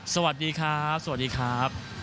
สวัสดีครับสวัสดีครับ